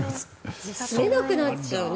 住めなくなっちゃうね